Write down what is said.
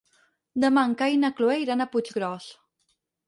Demà en Cai i na Cloè iran a Puiggròs.